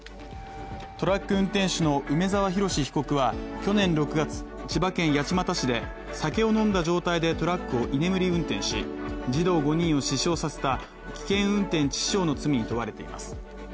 トラック運転手の梅沢洋被告は去年６月千葉県八街市で酒を飲んだ状態でトラックを居眠り運転し、児童５人を死傷させた危険運転致死傷の罪に問われています。